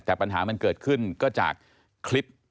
แต่ปัญหามันเกิดขึ้นก็จากคลิป